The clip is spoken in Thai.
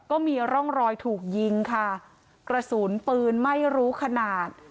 ก็มีร่องรอยถูกยิงค่ะกระสุนปืนไม่รู้ขนาด